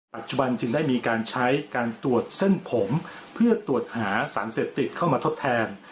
ปัจจุบันจึงได้มีการใช้การตรวจเส้นผมเพื่อตรวจหาสารเสพติดเข้ามาทดแทน